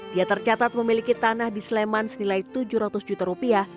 dia tercatat memiliki tanah di sleman senilai tujuh ratus juta rupiah